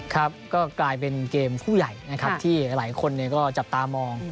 ครับก็กลายเป็นเกมคู่ใหญ่นะครับที่หลายคนก็จับตามอง